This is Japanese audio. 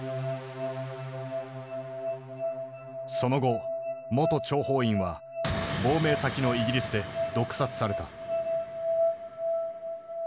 その後元諜報員は亡命先のイギリスで毒殺された。